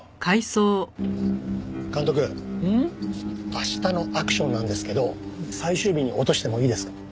明日のアクションなんですけど最終日に落としてもいいですか？